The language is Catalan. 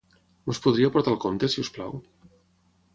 Ens podria portar el compte, si us plau?